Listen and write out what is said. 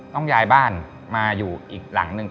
ต้องย้ายบ้านมาอยู่อีกหลังหนึ่ง